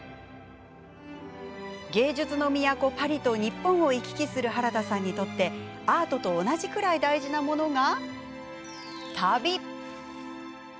芸術の都・パリと日本を行き来する原田さんにとってアートと同じくらい大事なものが、旅！